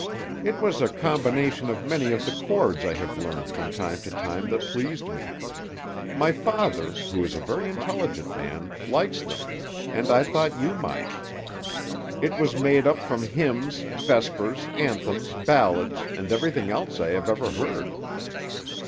"It was a combination of many of the chords I have learned from time to time that pleased me. My father, who is a very intelligent man, likes them, and I thought you might. It was made up from hymns, vespers, anthems, ballads, and everything else I have ever heard."